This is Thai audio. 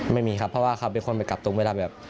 ไม่มีครับเพราะว่าเขาเป็นคนไปกลับตรงเวลาแบบ